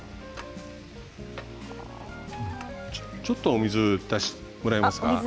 ちょっとお水をもらえますか？